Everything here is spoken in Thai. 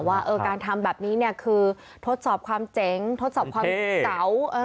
ว่าการทำแบบนี้คือทดสอบความเจ๋งทดสอบความเสา